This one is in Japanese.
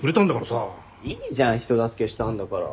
いいじゃん人助けしたんだから。